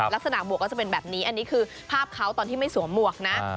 หมวกก็จะเป็นแบบนี้อันนี้คือภาพเขาตอนที่ไม่สวมหมวกนะ